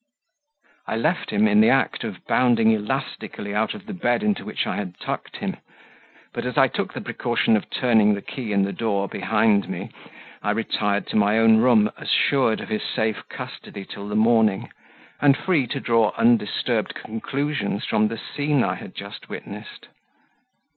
I left him in the act of bounding elastically out of the bed into which I had tucked him; but, as I took the precaution of turning the key in the door behind me, I retired to my own room, assured of his safe custody till the morning, and free to draw undisturbed conclusions from the scene I had just witnessed.